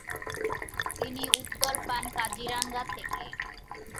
তিনি উত্তর পান-কাজিরাঙ্গা থেকে।